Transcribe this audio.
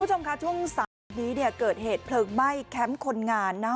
คุณผู้ชมค่ะช่วงสายวันนี้เนี่ยเกิดเหตุเพลิงไหม้แคมป์คนงานนะฮะ